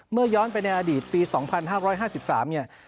เมื่อย้อนไปในอดีตปี๒๕๕๓